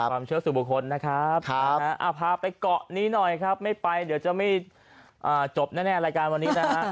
ความเชื่อสู่บุคคลนะครับพาไปเกาะนี้หน่อยครับไม่ไปเดี๋ยวจะไม่จบแน่รายการวันนี้นะฮะ